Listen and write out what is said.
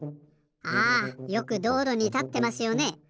あよくどうろにたってますよね。